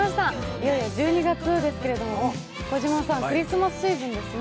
いよいよ１２月ですけれどもクリスマスシーズンですね。